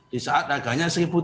di saat harganya rp satu tiga ratus